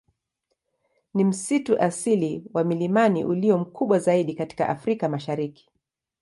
Ni msitu asili wa milimani ulio mkubwa zaidi katika Afrika Mashariki.